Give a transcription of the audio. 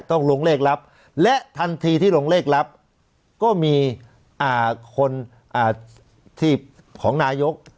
ต้องลงเลขลับและทันทีที่ลงเลขลับก็มีคนที่ของนายก